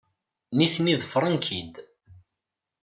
Nitni ḍefren-k-id.